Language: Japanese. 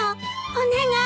お願い！